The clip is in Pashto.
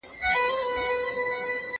زه پرون د کتابتون کتابونه لوستل کوم!